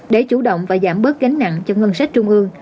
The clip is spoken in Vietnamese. để chủ động và giảm bớt gánh nặng cho ngân sách trung ương